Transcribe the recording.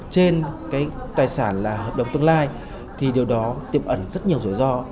trên cái tài sản là hợp đồng tương lai thì điều đó tiêm ẩn rất nhiều rủi ro